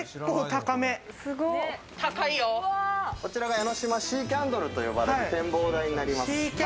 江の島シーキャンドルと呼ばれる展望台となります。